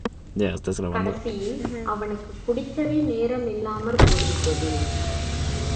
கடைசியில் அவனுக்குக் குடிக்கவே நேரமில்லாமற் போய் விட்டது.